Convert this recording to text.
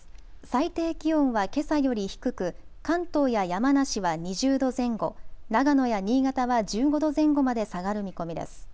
最低気温はけさより低く関東や山梨は２０度前後、長野や新潟は１５度前後まで下がる見込みです。